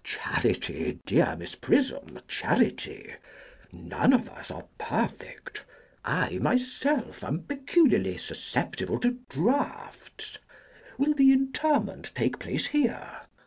] Charity, dear Miss Prism, charity! None of us are perfect. I myself am peculiarly susceptible to draughts. Will the interment take place here?